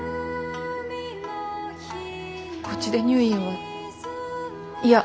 こっちで入院は嫌。